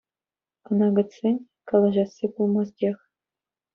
Ӑна кӗтсен, калаҫасси пулмастех.